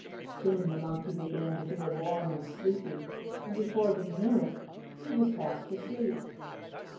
Soon the Monkey began to feel warm and sleepy, and, before he knew it, he was fast asleep.